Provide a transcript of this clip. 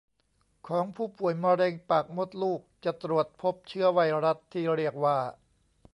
ของผู้ป่วยมะเร็งปากมดลูกจะตรวจพบเชื้อไวรัสที่เรียกว่า